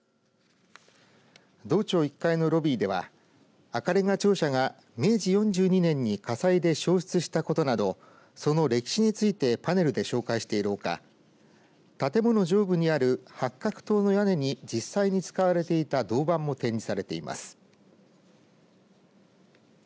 道庁１階のロビーでは赤れんが庁舎が明治４２年に火災で焼失したことなどその歴史についてパネルで紹介しているほか建物上部にある八角塔の屋根に実際に使われていた銅板も展示されています。